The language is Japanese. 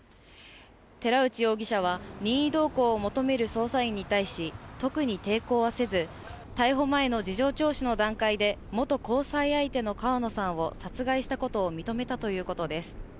寺内容疑者は任意同行を求める捜査員に対し特に抵抗はせず、逮捕前の事情聴取の段階で元交際相手の川野さんを殺害したことを認めたということです。